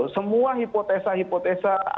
semua hipotesa hipotesa itu